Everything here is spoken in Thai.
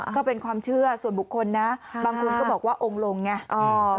ก็เป็นความเชื่อส่วนบุคคลนะบางคนก็บอกว่าองค์ลงไง